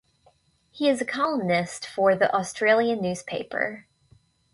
He is a columnist for The Australian newspaper.